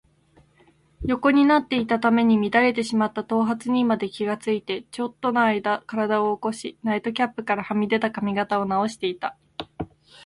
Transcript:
横になっていたために乱れてしまった頭髪にまで気がついて、ちょっとのあいだ身体を起こし、ナイトキャップからはみ出た髪形をなおしていた。